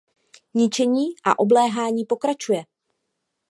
Ničení a obléhání pokračuje.